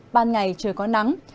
ban ngày trời có nắng